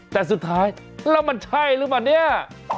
แต่สุดท้ายแล้วมันใช่หรือเปล่าเนี่ย